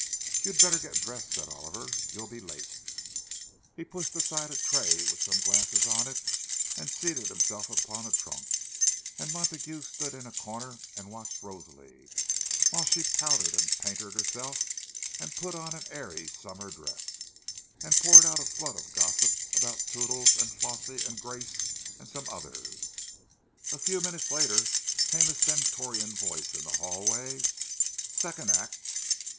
"You'd better get dressed," said Oliver. "You'll be late." He pushed aside a tray with some glasses on it, and seated himself upon a trunk; and Montague stood in a corner and watched Rosalie, while she powdered and painted herself, and put on an airy summer dress, and poured out a flood of gossip about "Toodles" and "Flossie" and "Grace" and some others. A few minutes later came a stentorian voice in the hallway: "Second act!"